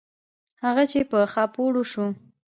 هغه چې په خاپوړو سو.